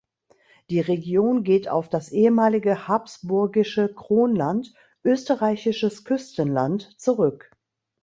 Die Region geht auf das ehemalige habsburgische Kronland „Österreichisches Küstenland“ zurück.